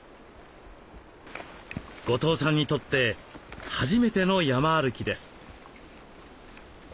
後藤さんにとって初めての山歩きです。